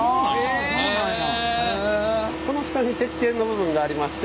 あそうなんや。